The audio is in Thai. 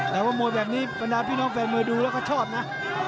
แต่ว่ามวยแบบนี้บรรดาพี่น้องแฟนมวยดูแล้วก็ชอบนะ